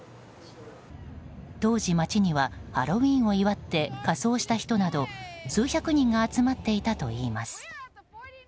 当時、街にはハロウィーンを祝って仮装した人など数百人が集まっていたといいます。